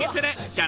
じゃ